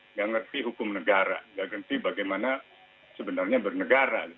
nggak ngerti hukum negara nggak ngerti bagaimana sebenarnya bernegara